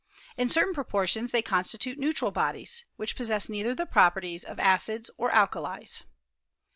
In certain proportions they constitute neutral bodies, which possess neither the properties of acids nor alkalies.